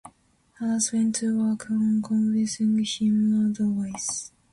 Halas went to work on convincing him otherwise.